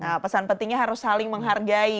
nah pesan pentingnya harus saling menghargai